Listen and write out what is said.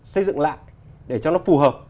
xây dựng lại để cho nó phù hợp